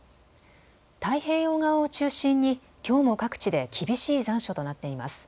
太平洋側を中心にきょうも各地で厳しい残暑となっています。